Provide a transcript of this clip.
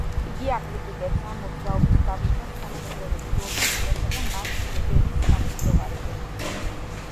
იგი აკრიტიკებს ამ მოძრაობის გავლენას თანამედროვე ფილოსოფიასა და მაქს ვებერის ნამუშევარზე.